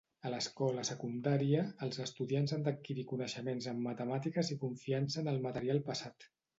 A l'escola secundària, els estudiants han d'adquirir coneixements en matemàtiques i confiança en el material passat.